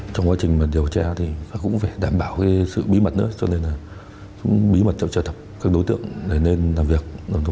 trong quá trình điều tra thì cũng phải đảm bảo sự bí mật nữa cho nên là chúng bí mật trợ tập các đối tượng để nên làm việc